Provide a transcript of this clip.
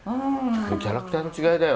キャラクターの違いだよ。